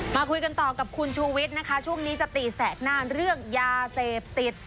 มาคุยกันต่อกับคุณชูวิทย์นะคะช่วงนี้จะตีแสกหน้าเรื่องยาเสพติด